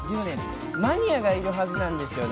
マニアがいるはずなんですよね。